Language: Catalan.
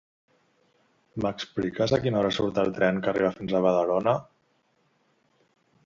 M'expliques a quina hora surt el tren que arriba fins a Badalona?